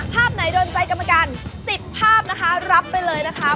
ภาพไหนโดนใจกรรมการ๑๐ภาพนะคะรับไปเลยนะคะ